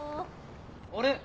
あれ？